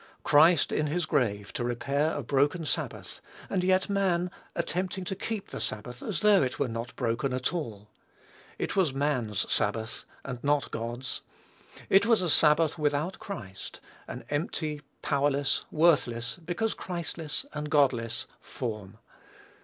Christ in his grave to repair a broken sabbath, and yet man attempting to keep the sabbath as though it were not broken at all! It was man's sabbath, and not God's. It was a sabbath without Christ, an empty, powerless, worthless, because Christless and Godless, form.